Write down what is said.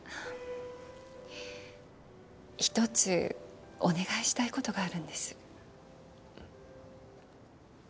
一つお願いしたいことがあるんです